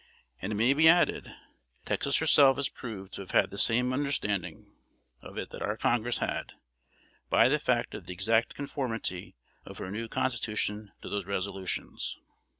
And it may be added, that Texas herself is proved to have had the same understanding of it that our Congress had, by the fact of the exact conformity of her new Constitution to those resolutions.